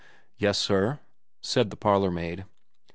* Yes sir,' said the parlourmaid.